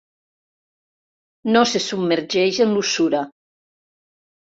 No se submergeix en l'usura.